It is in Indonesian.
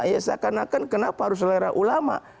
ya seakan akan kenapa harus selera ulama